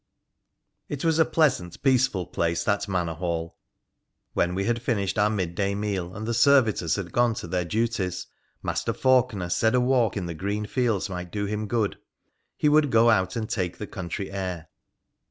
It was a pleasant, peaceful place, that manor hall ! When we had finished our midday meal, and the servitors had gone to their duties, Master Faulkener said a walk in the green fields might do him good — he would go out and take the country air.